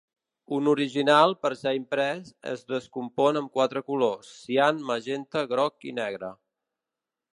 Un original, per ser imprès, es descompon amb quatre colors: cian, magenta, groc i negre.